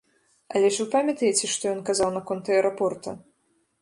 Але ж вы памятаеце, што ён казаў наконт аэрапорта?